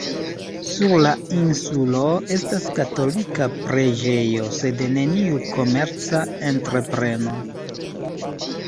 Sur la insulo estas katolika preĝejo sed neniu komerca entrepreno.